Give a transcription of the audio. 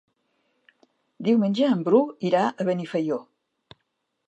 Diumenge en Bru irà a Benifaió.